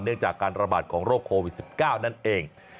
จากการระบาดของโรคโควิด๑๙นั่นเอง